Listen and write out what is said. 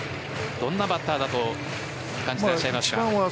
どんなバッターだと感じていらっしゃいますか？